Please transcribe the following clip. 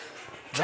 「何？